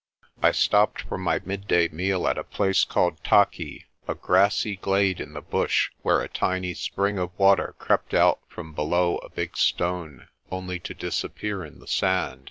I stopped for my midday meal at a place called Taqui, a grassy glade in the bush where a tiny spring of water crept out from below a big stone, only to disappear in the sand.